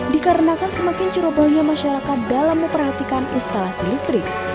dikarenakan semakin cerobohnya masyarakat dalam memperhatikan instalasi listrik